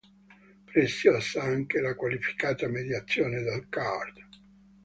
Preziosa anche la qualificata mediazione del Card.